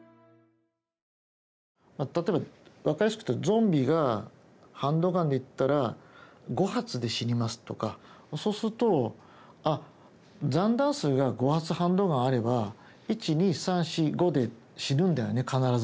まあ例えば分かりやすく言うとゾンビがハンドガンでいったら５発で死にますとかそうすると「あ残弾数が５発ハンドガンあれば１２３４５で死ぬんだよね必ず」っていう。